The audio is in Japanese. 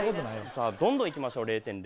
さあどんどんいきましょう。